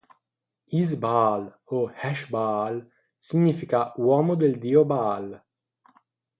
Is-Baal, o Esh-Baal, significa "uomo del dio Baal".